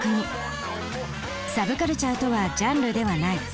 サブカルチャーとはジャンルではない。